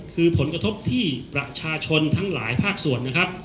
คือผลกระทบที่ประชาชนทั้งหลายภาคส่วนนะครับ